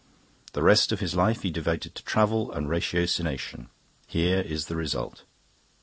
The rest of his life he devoted to travel and ratiocination; here is the result."